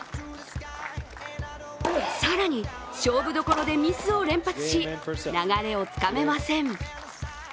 更に、勝負どころでミスを連発し流れをつかめません。